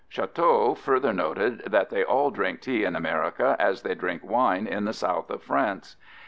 Chotteau further noted that "they all drink tea in America as they drink wine in the South of France."